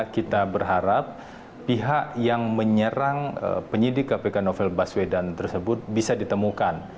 kita berharap pihak yang menyerang penyidik kpk novel baswedan tersebut bisa ditemukan